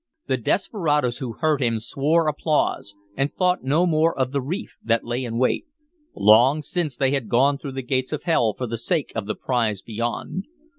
The desperadoes who heard him swore applause, and thought no more of the reef that lay in wait. Long since they had gone through the gates of hell for the sake of the prize beyond.